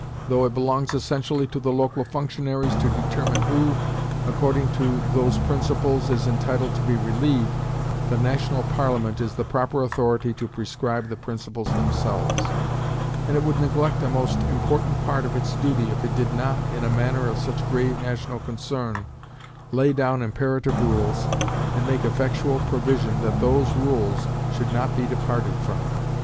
Though it belongs essentially to the local functionaries to determine who, according to those principles, is entitled to be relieved, the national Parliament is the proper authority to prescribe the principles themselves; and it would neglect a most important part of its duty if it did not, in a matter of such grave national concern, lay down imperative rules, and make effectual provision that those rules should not be departed from.